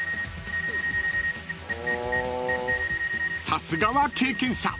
［さすがは経験者！